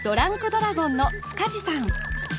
ドラゴンの塚地さん